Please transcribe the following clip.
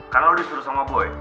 karena lo disuruh sama boy